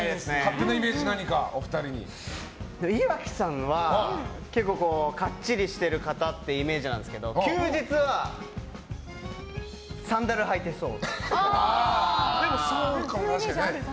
岩城さんは結構かっちりしている方というイメージですけど休日はサンダル履いてそう。